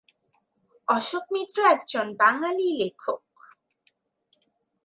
অশোক মিত্র একজন বাঙালি লেখক।